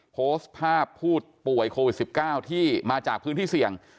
โพสต์ภาพผู้ป่วยโควิด๑๙ที่มาจากพื้นที่เสี่ยง